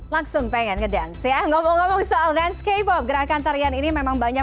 langsung pengen ke dance ya ngomong ngomong soal dance k pop gerakan tarian ini memang banyak